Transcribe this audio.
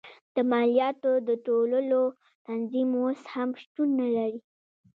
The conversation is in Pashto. د مالیاتو د ټولولو تنظیم اوس هم شتون نه لري.